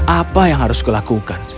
apa yang harus kulakukan